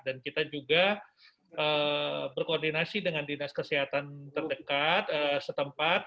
dan kita juga berkoordinasi dengan dinas kesehatan terdekat setempat